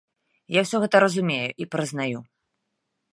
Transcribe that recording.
Я ўсё гэта разумею і прызнаю.